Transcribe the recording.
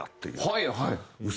はいはい。